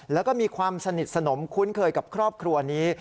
แล้วก็มีความสนิทสนมคุ้นเคยกับครอบครัวนี้